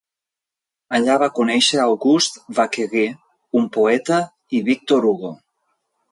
Allà va conèixer Auguste Vacquerie, un poeta, i Victor Hugo.